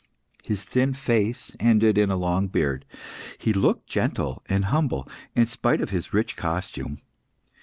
His thin face ended in a long beard. He looked gentle and humble, in spite of his rich costume.